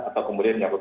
atau kemudian menyebut